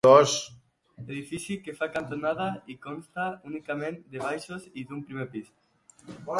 Edifici que fa cantonada i consta únicament de baixos i d'un primer pis.